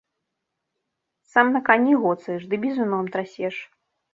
Сам на кані гоцаеш ды бізуном трасеш.